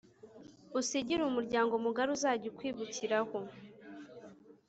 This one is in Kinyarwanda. usigira umuryango mugari uzajya ukwibukiraho